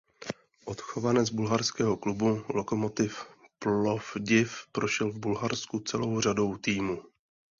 Odchovanec bulharského klubu Lokomotiv Plovdiv prošel v Bulharsku celou řadou týmů.